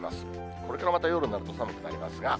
これからまた夜になると寒くなりますが。